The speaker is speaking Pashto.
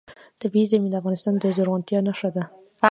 طبیعي زیرمې د افغانستان د زرغونتیا نښه ده.